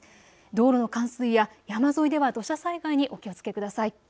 道路の冠水や山沿いでは土砂災害にお気をつけください。